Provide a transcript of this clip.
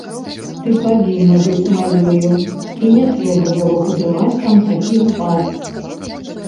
Ты павінна быць маёю, і не трэба было падымаць там такі гвалт.